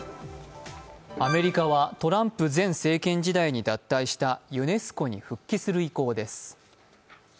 アメリカはトランプ前政権時代に脱退したユネスコに復帰する意向です。